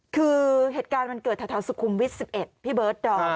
คือเหตุการณ์มันเกิดแถวสุขุมวิทย์๑๑พี่เบิร์ดดอม